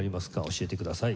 教えてください。